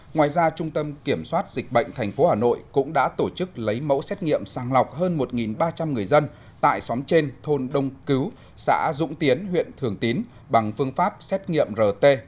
ngoài ra trung tâm kiểm soát dịch bệnh tp hà nội cũng đã tổ chức lấy mẫu xét nghiệm sàng lọc hơn một ba trăm linh người dân tại xóm trên thôn đông cứu xã dũng tiến huyện thường tín bằng phương pháp xét nghiệm rt